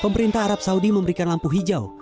pemerintah arab saudi memberikan lampu hijau